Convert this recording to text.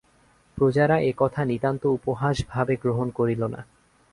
প্রজারা এ কথা নিতান্ত উপহাস ভাবে গ্রহণ করিল না।